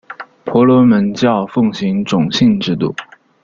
婆罗门教奉行种姓制度。